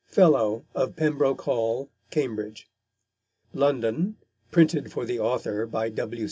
Fellow of Pembroke Hall, Cambridge. London: Printed for the Author, by W.